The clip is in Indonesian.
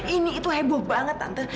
ini itu heboh banget tante